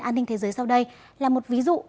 an ninh thế giới sau đây là một ví dụ